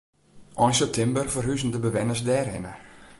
Ein septimber ferhuzen de bewenners dêrhinne.